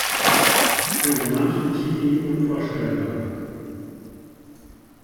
Für so manchen Teenie unvorstellbar.